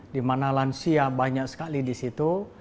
di mana lansia banyak sekali di situ